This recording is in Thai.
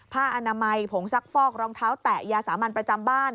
อนามัยผงซักฟอกรองเท้าแตะยาสามัญประจำบ้าน